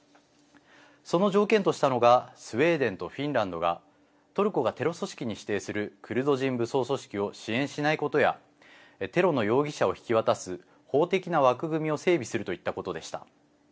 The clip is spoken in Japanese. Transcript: その条件としたのがスウェーデンとフィンランドがトルコがテロ組織に指定するクルド人武装組織を支援しないことやテロの容疑者を引き渡す法的な枠組みを整備するといったことでした。